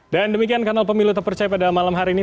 dan demikian kanal pemilu terpercaya pada malam hari ini